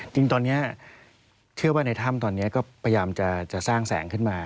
จริงตอนนี้เชื่อว่าในถ้ำตอนนี้ก็พยายามจะสร้างแสงขึ้นมา